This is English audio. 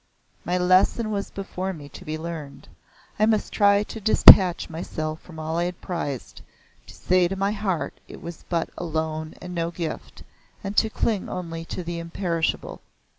My lesson was before me to be learned. I must try to detach myself from all I had prized to say to my heart it was but a loan and no gift, and to cling only to the imperishable.